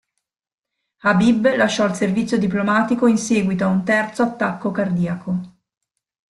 Habib lasciò il servizio diplomatico in seguito a un terzo attacco cardiaco.